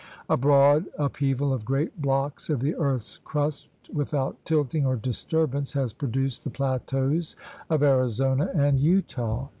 A broad upheaval of great blocks of the earth's crust without tilting or disturbance has produced the plateaus of Arizona and Utah.